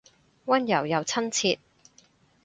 溫柔又親切